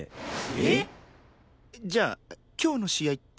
えっ？じゃあ今日の試合って。